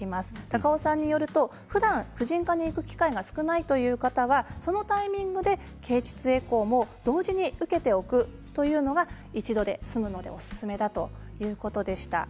高尾さんによるとふだん婦人科に行く機会が少ないという方は、そのタイミングで経ちつエコーも同時に受けておくというのが一度で済むのでおすすめだということでした。